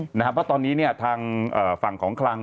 เพราะว่าตอนนี้เนี่ยทางฝั่งของครัง